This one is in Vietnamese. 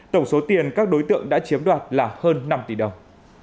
tổng số tiền các đối tượng đã chiếm đoạt là hơn năm tỷ đồng